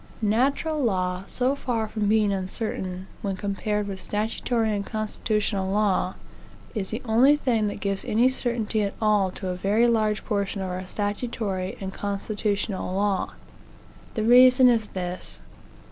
"Natural law, so far from being uncertain, when compared with statutory and constitutional law, is the only thing that gives any certainty at all to a very large portion of our statutory and constitutional law. The reason is this.